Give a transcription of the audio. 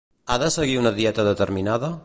Ha de seguir una dieta determinada?